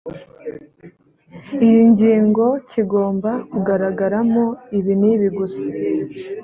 iyi ngingo kigomba kugaragaramo ibi nibi gusa